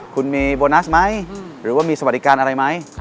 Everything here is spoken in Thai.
คุณมีโบนัสไหมหรือว่ามีสวัสดิการอะไรไหม